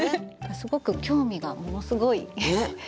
すごく興味がものすごいあります。